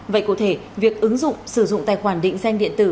vậy cụ thể việc ứng dụng sử dụng tài khoản định danh điện tử